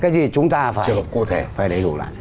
cái gì chúng ta phải lấy đủ lại